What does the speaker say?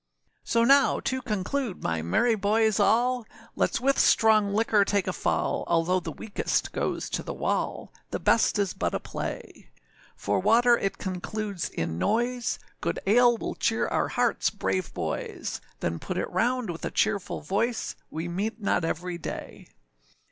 So now to conclude, my merry boys, all, Let's with strong liquor take a fall, Although the weakest goes to the wall, The best is but a play! For water it concludes in noise, Good ale will cheer our hearts, brave boys; Then put it round with a cheerful voice, We meet not every day.